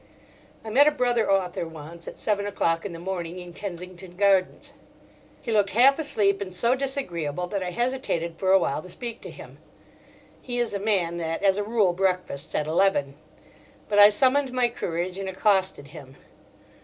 I met a brother author once at seven o'clock in the morning in Kensington Gardens. He looked half asleep and so disagreeable that I hesitated for awhile to speak to him: he is a man that as a rule breakfasts at eleven. But I summoned my courage and accosted him.